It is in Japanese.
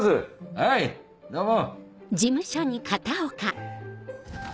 はいどうも！